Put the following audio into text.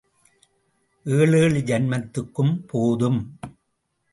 ஏழேழு ஜன்மத்துக்கும் போதும்.